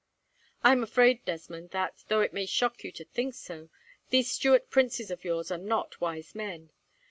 "I am afraid, Desmond, that, though it may shock you to think so, these Stuart princes of yours are not wise men.